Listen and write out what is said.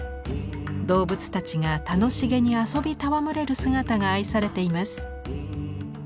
動物たちが楽しげに遊び戯れる姿が愛されています。